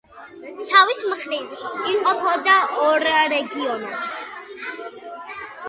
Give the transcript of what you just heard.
თავის მხრივ იყოფოდა ორ რეგიონად.